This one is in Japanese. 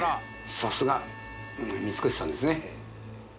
さすが三越さんですね